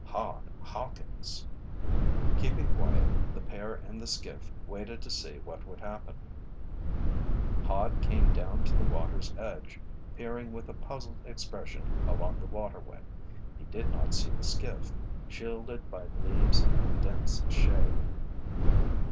"Hod Hawkins!" Keeping quiet, the pair in the skiff waited to see what would happen. Hod came down to the water's edge, peering with a puzzled expression along the waterway. He did not see the skiff, shielded by leaves and dense shade.